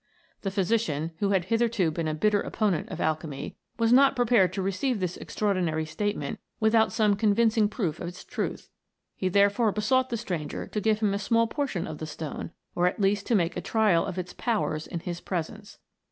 The physician, who had hitherto been a bitter opponent of alchemy, was not prepared to receive this extraordinary statement without some convincing proof of its truth ; he therefoi'e besought the stranger to give him a small portion of the stone, or at least to make a trial of its powers in his presence.